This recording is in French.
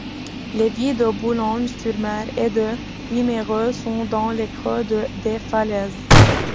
Les villes de Boulogne-sur-Mer et de Wimereux sont dans le creux des falaises.